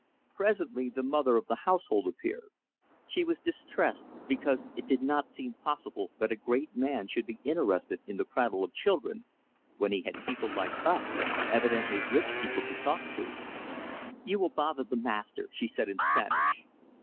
Presently the mother of the household appeared. She was distressed, because it did not seem possible that a great man should be interested in the prattle of children, when he had people like us, evidently rich people, to talk to. "You will bother the master," she said, in Spanish.